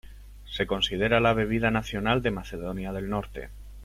Se considera la bebida nacional de Macedonia del Norte.